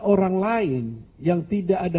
orang lain yang tidak ada